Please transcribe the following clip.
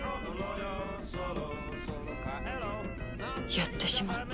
やってしまった。